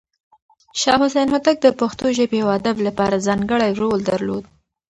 شاه حسين هوتک د پښتو ژبې او ادب لپاره ځانګړی رول درلود.